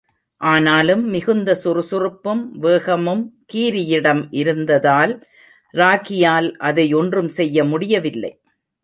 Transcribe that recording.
ஆனாலும், மிகுந்த சுறுசுறுப்பும், வேகமும் கீரியிடம் இருந்ததால் ராகியால் அதை ஒன்றும் செய்ய முடியவில்லை.